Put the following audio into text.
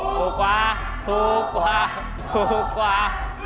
ถูกกว่า